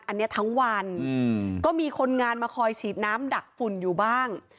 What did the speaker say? อันนี้ทั้งวันก็มีคนงานมาคอยฉีดน้ำดักฝุ่นอยู่บ้าง